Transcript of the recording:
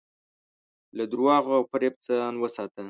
له دروغو او فریب ځان وساته.